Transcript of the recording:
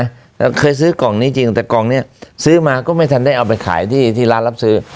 แล้วเคยซื้อกล่องนี้จริงแต่กล่องเนี้ยซื้อมาก็ไม่ทันได้เอาไปขายที่ที่ร้านรับซื้อ